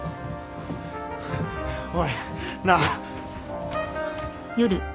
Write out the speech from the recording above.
おいなあ